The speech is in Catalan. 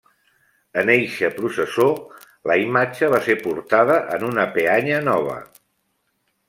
En eixa processó la imatge va ser portada en una peanya nova.